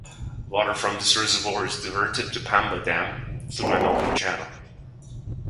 Water from this reservoir is diverted to Pamba dam through an open channel.